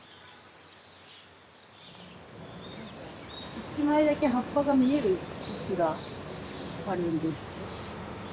１枚だけ葉っぱが見える位置があるんです。